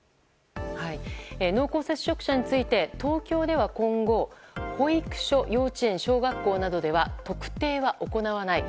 濃厚接触者について東京では今後保育所、幼稚園、小学校などでは特定は行わない。